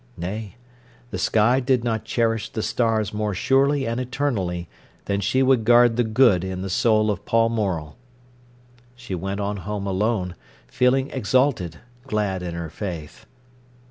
Nay, the sky did not cherish the stars more surely and eternally than she would guard the good in the soul of Paul Morel. She went on home alone, feeling exalted, glad in her faith.